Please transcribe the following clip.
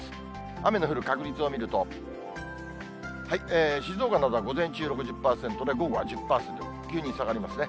雨の降る確率を見ると、静岡などは午前中、６０％で、午後は１０％、急に下がりますね。